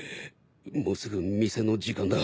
もうすぐ店の時間だ。